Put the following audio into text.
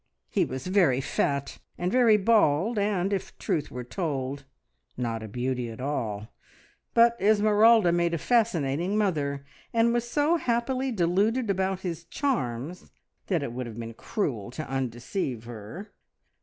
He was very fat and very bald, and, if the truth were told, not a beauty at all, but Esmeralda made a fascinating mother, and was so happily deluded about his charms that it would have been cruel to undeceive her.